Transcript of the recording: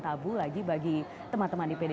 tabu lagi bagi teman teman di pd